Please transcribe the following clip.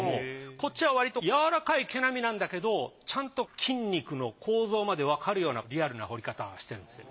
こっちはわりと柔らかい毛並なんだけどちゃんと筋肉の構造までわかるようなリアルな彫り方してるんですよね。